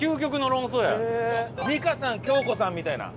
美香さん恭子さんみたいな。